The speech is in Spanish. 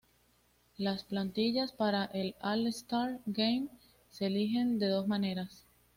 Las plantillas para el All-Star Game se eligen de dos maneras.